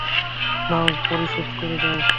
নাও, পরিশোধ করে দাও।